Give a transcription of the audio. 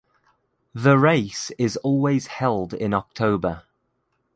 The race is always held in October.